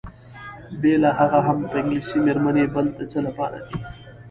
بېله هغه هم انګلیسۍ میرمنې بل د څه لپاره دي؟